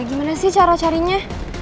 gimana sih cara carinya